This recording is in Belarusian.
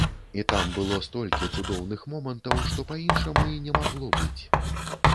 І там было столькі цудоўных момантаў, што па-іншаму і не магло быць.